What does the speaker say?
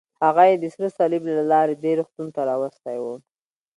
هغه یې د سره صلیب له لارې دې روغتون ته راوستی و.